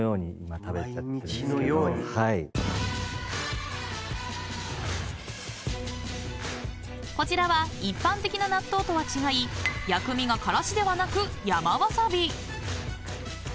毎日のように⁉［こちらは一般的な納豆とは違い薬味がからしではなく山わさび］